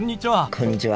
こんにちは。